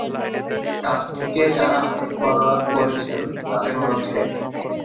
তার থেকে যারা হাদিস বর্ণনা করেছেন, তাদের মধ্যে